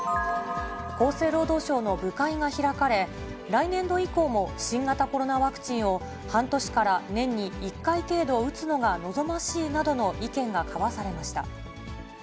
厚生労働省の部会が開かれ、来年度以降も新型コロナワクチンを半年から年に１回程度打つのが望ましいなどの意見が交わされました。